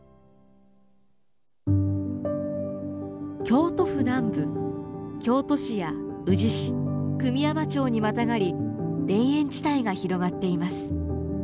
京都府南部京都市や宇治市久御山町にまたがり田園地帯が広がっています。